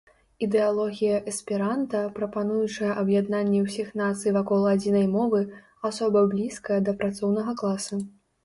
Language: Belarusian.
Ідэалогія эсперанта, прапануючая аб'яднанне ўсіх нацый вакол адзінай мовы, асоба блізкая да працоўнага класа.